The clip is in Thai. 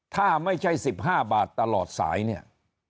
ถ้าไม่ใช่๑๕บาทตลอดสายเนี่ย